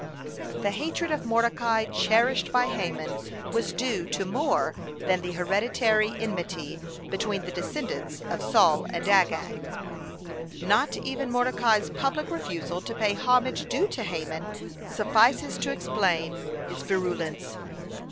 (103) The hatred of Mordecai cherished by Haman was due to more than the hereditary enmity between the descendants of Saul and Agag. (104) Not even Mordecai's public refusal to pay the homage due to Haman suffices to explain its virulence.